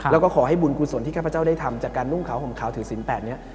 แล้วก็ขอให้บุญกุศลที่ข้าพเจ้าได้ทำจากการนุ่งขาวห่มขาวถือศีลแปดนี้